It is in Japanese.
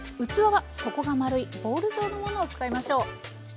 器は底が丸いボウル状のものを使いましょう。